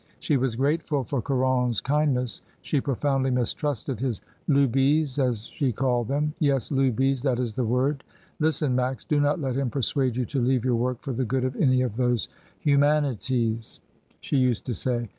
She was grateful for Caron's kindness, she profoundly mistrusted his "ludies," as she called them. "Yes, ludtes, that is the word. Listen, Max, do not let him persuade you to leave your work for the good of any of those humanities," / MONSIEUR CARON's HISTORY OF SOCIALISM. 203 she used to say.